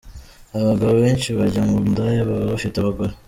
Abagabo benshi bajya mu ndaya baba bafite abagore